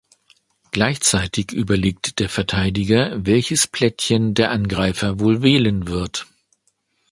Gleichzeitig überlegt der Verteidiger, welches Plättchen der Angreifer wohl wählen wird.